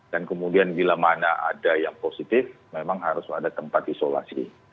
dan kemudian bila mana ada yang positif memang harus ada tempat isolasi